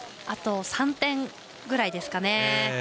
あと３点ぐらいですかね。